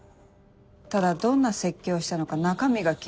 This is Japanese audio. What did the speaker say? ただどんな説教したのか中身が気になる。